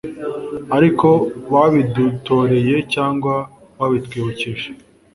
ariko babidutoreye cyangwa babitwibukije,